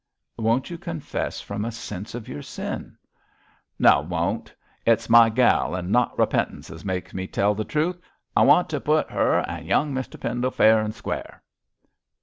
'Won't you confess from a sense of your sin?' 'No, I won't. It's my gal and not repentance as makes me tell the truth. I want to put her an' young Mr Pendle fair and square.'